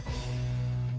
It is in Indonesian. udah deh udah deh